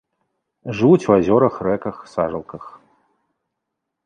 Жывуць у азёрах, рэках, сажалках.